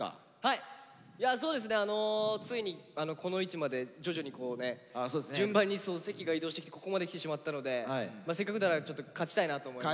いやそうですねついにこの位置まで徐々にこうね順番に席が移動してきてここまできてしまったのでせっかくなら勝ちたいなと思います。